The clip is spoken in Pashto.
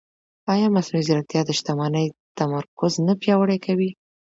ایا مصنوعي ځیرکتیا د شتمنۍ تمرکز نه پیاوړی کوي؟